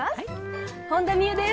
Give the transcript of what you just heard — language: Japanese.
本田望結です。